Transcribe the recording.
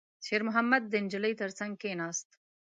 شېرمحمد د نجلۍ تر څنګ کېناست.